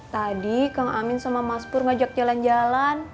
tadi kang amin sama mas pur ngajak jalan jalan